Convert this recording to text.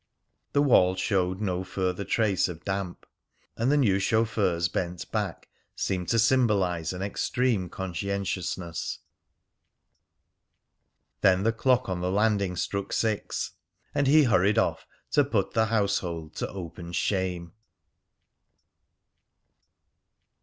The wall showed no further trace of damp, and the new chauffeur's bent back seemed to symbolise an extreme conscientiousness. Then the clock on the landing struck six, and he hurried off to put the household to open shame.